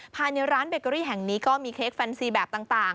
ภายในร้านเบเกอรี่แห่งนี้ก็มีเค้กแฟนซีแบบต่าง